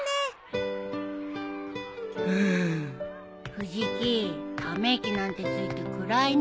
藤木ため息なんてついて暗いね。